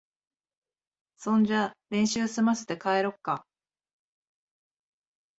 そんじゃ練習すませて、帰ろっか。